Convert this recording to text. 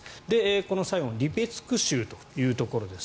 この最後のリペツク州というところです。